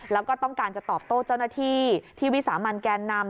แล้วก็ต้องการจะตอบโต้เจ้าหน้าที่ที่วิสามันแกนนำ